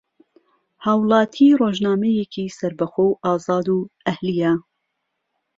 ھاوڵاتی ڕۆژنامەیەکی سەربەخۆ و ئازاد و ئەھلییە